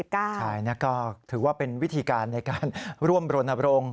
ใช่ก็ถือว่าเป็นวิธีการในการร่วมรณบรงค์